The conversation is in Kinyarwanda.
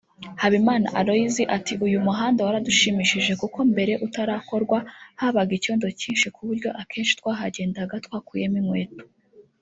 Habimana Aloys ati “Uyu muhanda waradushimishije kuko mbere utarakorwa habaga icyondo cyinshi ku buryo akenshi twahagendaga twakuyemo inkweto